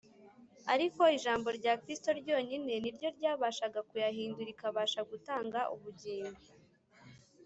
ariko ijambo rya Kristo ryonyine ni ryo ryabashaga kuyahindura ikibasha gutanga ubugingo